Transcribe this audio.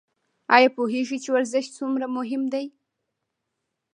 ایا پوهیږئ چې ورزش څومره مهم دی؟